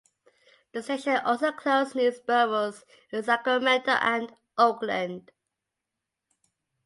The station also closed news bureaus in Sacramento and Oakland.